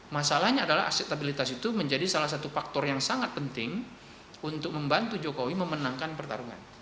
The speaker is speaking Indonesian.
masalahnya adalah akseptabilitas itu menjadi salah satu faktor yang sangat penting untuk membantu jokowi memenangkan pertarungan